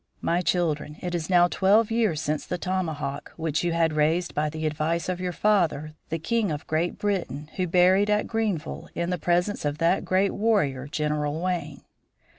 "My children, it is now twelve years since the tomahawk, which you had raised by the advice of your father, the King of Great Britain, was buried at Greenville, in the presence of that great warrior, General Wayne.